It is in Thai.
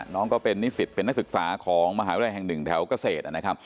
น้องก็เป็นนิสิตเป็นนักศึกษาของมหาวิทยาลัยแห่งหนึ่งแถวเกษตรนะครับ